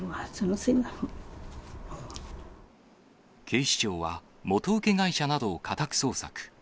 警視庁は、元請け会社などを家宅捜索。